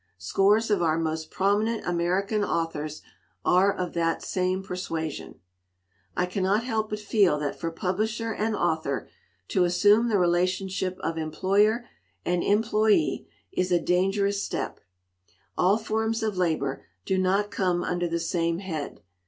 Scores of our most prominent American authors are of that same persuasion. "I cannot help but feel that for publisher and 244 "CHOCOLATE FUDGE 9 9 author to assume the relationship of employer and employee is a dangerous step. All forms of labor do not come under the same head.